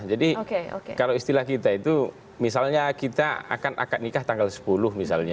jadi kalau istilah kita itu misalnya kita akan akan nikah tanggal sepuluh misalnya